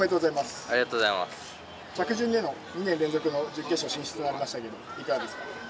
着順での２年連続の準決勝進出になりましたけどいかがですか。